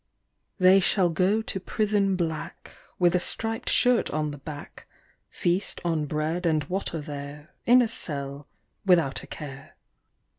They shall go to prison black With a striped shirt on the back, Feast on bread and water there In a cell, without a care.